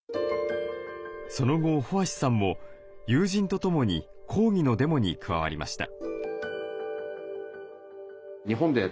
その後保芦さんも友人とともに抗議のデモに加わりました。